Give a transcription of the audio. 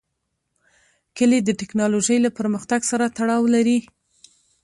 کلي د تکنالوژۍ له پرمختګ سره تړاو لري.